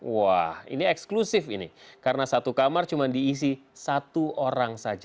wah ini eksklusif ini karena satu kamar cuma diisi satu orang saja